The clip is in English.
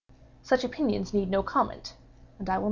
Such opinions need no comment, and I will make none.